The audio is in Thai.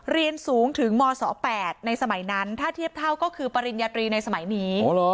เรียนสูงถึงมศ๘ในสมัยนั้นถ้าเทียบเท่าก็คือปริญญาตรีในสมัยนี้